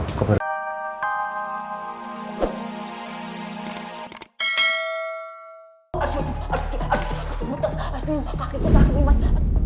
aduh kaki kaki emas